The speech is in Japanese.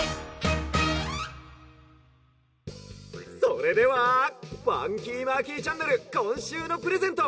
「それではファンキーマーキーチャンネルこんしゅうのプレゼント